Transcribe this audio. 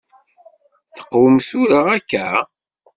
Teqwem tura akka?